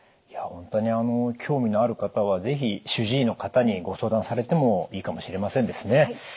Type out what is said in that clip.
いや本当にあの興味のある方は是非主治医の方にご相談されてもいいかもしれませんですね。